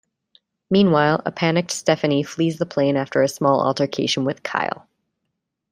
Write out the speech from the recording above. Meanwhile, a panicked Stephanie flees the plane after a small altercation with Kyle.